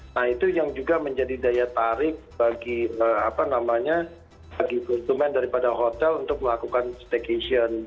nah itu yang juga menjadi daya tarik bagi konsumen daripada hotel untuk melakukan staycation